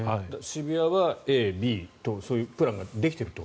渋谷はＡ、Ｂとそういうプランができていると。